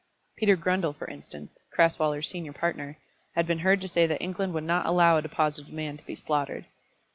Peter Grundle, for instance, Crasweller's senior partner, had been heard to say that England would not allow a deposited man to be slaughtered.